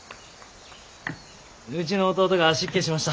うちの弟が失敬しました。